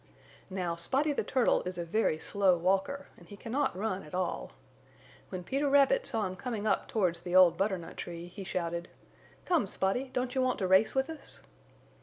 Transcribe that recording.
Now Spotty the Turtle is a very slow walker, and he cannot run at all. When Peter Rabbit saw him coming up towards the old butternut tree he shouted: "Come, Spotty, don't you want to race with us?"